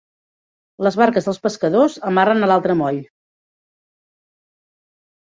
Les barques dels pescadors amarren a l'altre moll.